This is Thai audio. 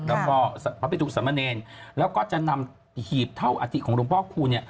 แล้วก็พระพิสุพธิ์สมเนรแล้วก็จะนำหีบเท่าอาทิตย์ของลงพ่อครู